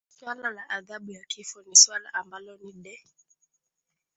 swala la adhabu ya kifo ni suala ambalo ni de